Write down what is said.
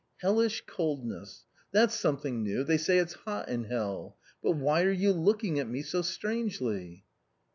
" Hellish coldness — that's something new, they say it's hot in hell. But why are you looking at me so strangely